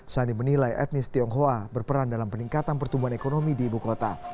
sandi menilai etnis tionghoa berperan dalam peningkatan pertumbuhan ekonomi di ibu kota